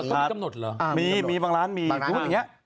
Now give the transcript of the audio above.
ต้องมีกำหนดเหรออ่ามีมีบางร้านมีบางร้านพูดอย่างเงี้ย